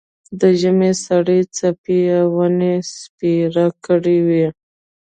د ژمي سړې څپې یې ونې سپېرې کړې وې.